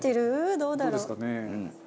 どうだろう？